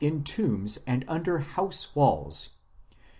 in tombs and under house walls.